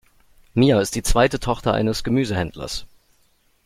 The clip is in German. Mia ist die zweite Tochter eines Gemüsehändlers.